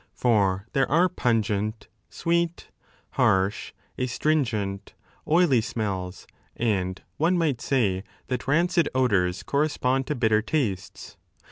For there are pungent, sweet, harsh, astringent, oily smells, and one might say that rancid odours correspond to bitter tastes.